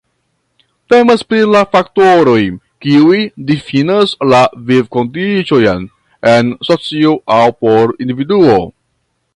Temas pri la faktoroj, kiuj difinas la vivkondiĉojn en socio aŭ por individuo.